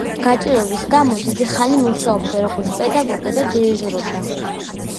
გაჭირვების გამო დიდი ხანი მუშაობდა, როგორც პედაგოგი და დირიჟორობდა.